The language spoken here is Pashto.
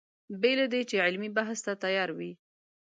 بې له دې چې علمي بحث ته تیار وي.